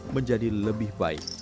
menjadi lebih baik